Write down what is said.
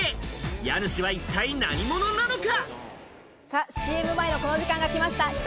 家主は一体何者なのか？